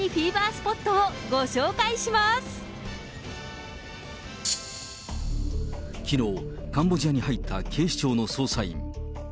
スポットをご紹介しまきのう、カンボジアに入った警視庁の捜査員。